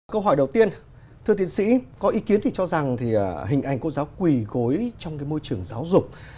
câu hỏi đầu tiên thưa tiến sĩ có ý kiến thì cho rằng thì hình ảnh cô giáo quỳ gối trong cái môi trường giáo dục